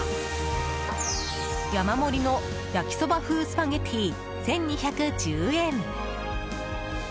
山盛りの焼きそば風スパゲティ１２１０円。